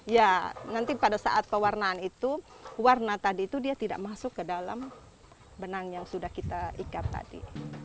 ya nanti pada saat pewarnaan itu warna tadi itu dia tidak masuk ke dalam benang yang sudah kita ikat tadi